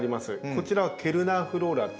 こちらはケルナーフローラという。